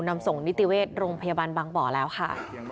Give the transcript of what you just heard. นำส่งนิติเวชโรงพยาบาลบางบ่อแล้วค่ะ